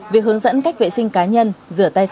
việc hướng dẫn cách vệ sinh cá nhân rửa tay